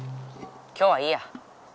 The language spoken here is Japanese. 今日はいいや。